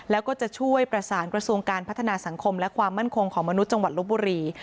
แล้วก็จะช่วยประสานกระทรวงการพัฒนาสังคมและความมั่นคงของมนุษย์จังหวัดลบบุรี